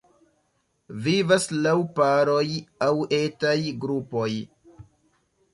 Vivas laŭ paroj aŭ etaj grupoj.